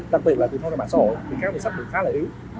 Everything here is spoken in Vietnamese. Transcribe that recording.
đặc biệt là vì không có mạng xã hội thì các công ty sách cũng khá là yếu